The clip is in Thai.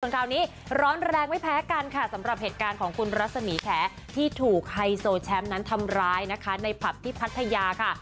คราวนี้ร้อนแรงไม่แพ้กันค่ะสำหรับเหตุการณ์ของคุณรัศมีแขที่ถูกไฮโซแชมป์นั้นทำร้ายนะคะในผับที่พัทยาค่ะ